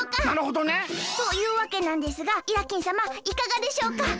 なるほどね。というわけなんですがイラッキンさまいかがでしょうか？